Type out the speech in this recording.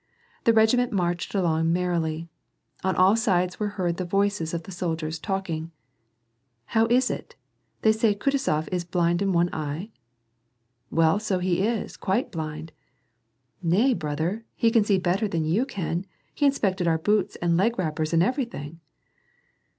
The regiment marched along merrily. On all sides were heard tlie voices of the soldiers talking. " How is it ? They say Kutuzof is blind of one eye ?"" Well so he is ; quite blind." "Nay, brother, he can see better than you can, He inspected our boots and leg wrappers and everything."